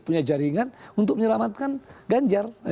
punya jaringan untuk menyelamatkan ganjar